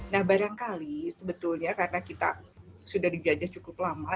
nah barangkali sebetulnya karena kita sudah dijajah cukup lama